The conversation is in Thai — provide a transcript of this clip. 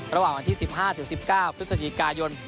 ระหว่างวันที่สิบห้าถึงสิบเก้าพฤษฎีกายน